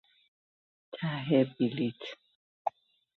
ته بلیط